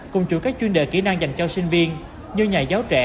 cùng chuỗi các chuyên đề kỹ năng dành cho sinh viên như nhà giáo trẻ